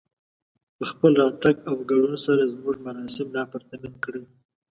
په خپل راتګ او ګډون سره زموږ مراسم لا پرتمين کړئ